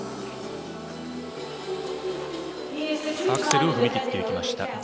アクセルを踏み切っていきました。